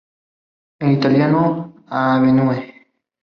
En italiano: Avenue.